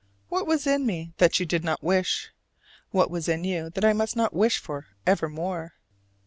What was in me that you did not wish? What was in you that I must not wish for evermore?